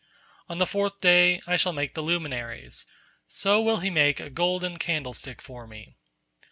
On the fourth day, I shall make the luminaries; so will he make a golden candlestick for Me.